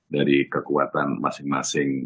dari kekuatan masing masing